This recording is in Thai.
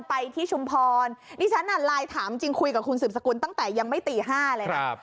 ไปที่ชุมพรนี่ฉันน่ะไลน์ถามจริงคุยกับคุณสืบสกุลตั้งแต่ยังไม่ตี๕เลยนะ